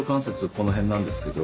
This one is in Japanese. この辺なんですけど。